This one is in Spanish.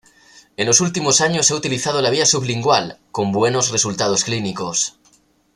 En los últimos años se ha utilizado la vía sublingual, con buenos resultados clínicos.